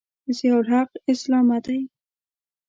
ضیأالحق اسلامه دی.